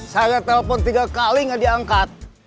saya telpon tiga kali nggak diangkat